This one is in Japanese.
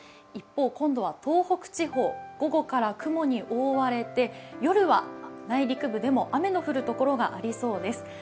一方、今度は東北地方午後から雲に覆われて夜は内陸部でも雨の降る所がありそうです。